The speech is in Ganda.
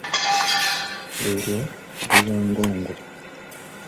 Eryo liba ngongo.